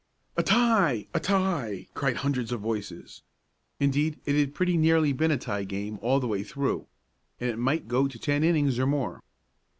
"A tie! A tie!" cried hundreds of voices. Indeed it had pretty nearly been a tie game all the way through, and it might go to ten innings or more.